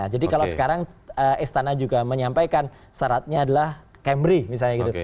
jadi kalau sekarang istana juga menyampaikan syaratnya adalah camry misalnya gitu